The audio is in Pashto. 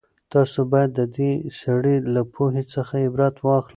تاسو بايد د دې سړي له پوهې څخه عبرت واخلئ.